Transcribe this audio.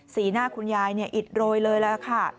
หน้าคุณยายอิดโรยเลยแล้วค่ะ